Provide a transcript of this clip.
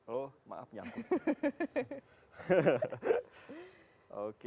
oh maaf nyangkut